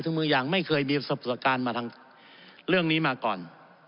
ทั้งมืออย่างไม่เคยมีประสบสัตว์การเรื่องนี้มาก่อน